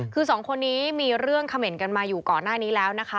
คือสองคนนี้มีเรื่องเขม่นกันมาอยู่ก่อนหน้านี้แล้วนะคะ